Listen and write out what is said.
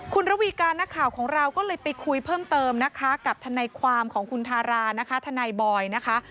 คุณระวีการนักข่าวของเราก็เลยไปคุยเพิ่มเติมนะคะกับทนายความของคุณทารานะคะทนายบอยนะคะ